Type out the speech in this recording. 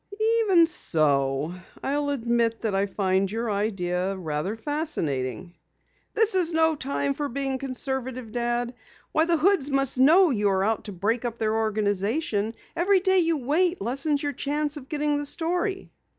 "Even so, I'll admit that I find your idea rather fascinating." "This is no time for being conservative, Dad. Why, the Hoods must know you are out to break up their organization. Every day you wait lessens your chance of getting the story."